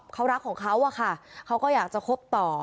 เขารักของเขาอะค่ะเขาก็อยากจะคบต่อ